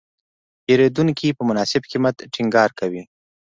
پیرودونکی په مناسب قیمت ټینګار کوي.